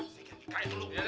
sekian dikain dulu